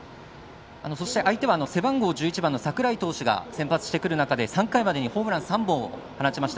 そして相手は背番号１１番の櫻井投手が先発してくる中３回までに、ホームランを３本放ちました。